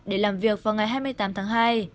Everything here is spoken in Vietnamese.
để làm việc vào ngày hai mươi tám tháng hai